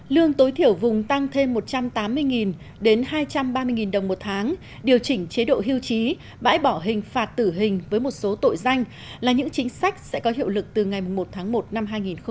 lương tối thiểu vùng tăng thêm một trăm tám mươi đến hai trăm ba mươi đồng một tháng điều chỉnh chế độ hưu trí bãi bỏ hình phạt tử hình với một số tội danh là những chính sách sẽ có hiệu lực từ ngày một tháng một năm hai nghìn hai mươi